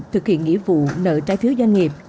thực hiện nghĩa vụ nợ trái phiếu doanh nghiệp